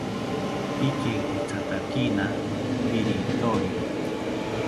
Ikenkithatakakina pirithori